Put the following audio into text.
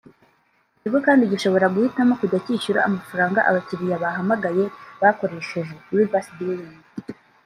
Ikigo kandi gishobora guhitamo kujya kishyura amafaranga abakiliya bahamagaye bakoresheje (reverse billing)